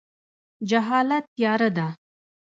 جهالت تیاره ده